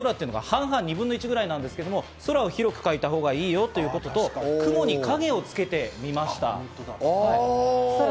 ポイントとして、添削前は湖面と空とが半々、２分の１くらいなんですが、空を広く描いたほうがいいよということと、主に影をつけてみました。